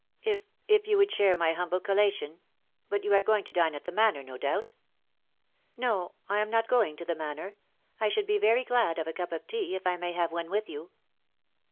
If if you would share my humble collation but you are going to dine at the Manor, no doubt." " No ; I am not going to the Manor. I should be very glad of a cup of tea, if I may have one with you."